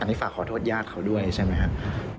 อันนี้ฝากขอโทษญาติเขาด้วยใช่ไหมครับ